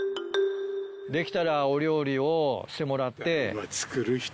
できたらお料理をしてもらって。